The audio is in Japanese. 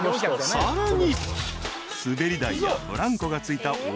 ［さらに］